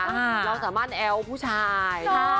เราสามารถแอ้วผู้ชาย